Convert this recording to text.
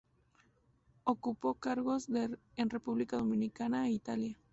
Ocupó cargos en República Dominicana e Italia.